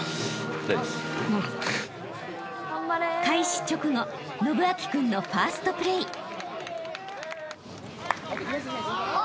［開始直後伸光君のファーストプレー］